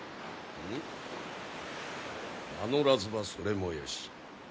名乗らずばそれもよし。